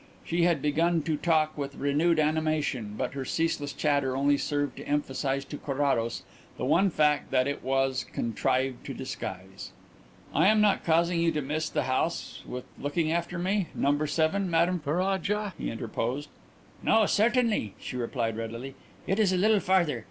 She had begun to talk with renewed animation, but her ceaseless chatter only served to emphasize to Carrados the one fact that it was contrived to disguise. "I am not causing you to miss the house with looking after me No. 7, Madame Ferraja?" he interposed. "No, certainly," she replied readily. "It is a little farther.